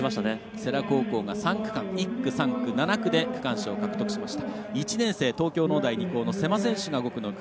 世羅高校が１、３、７区で区間賞を獲得しました。